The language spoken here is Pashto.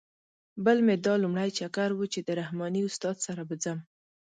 بل مې دا لومړی چکر و چې د رحماني استاد سره به ځم.